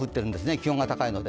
気温が高いので。